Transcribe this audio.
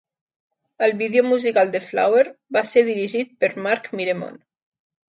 El vídeo musical de "Flower" va ser dirigit per Mark Miremont.